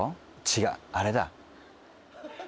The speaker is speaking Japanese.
違うあれだ。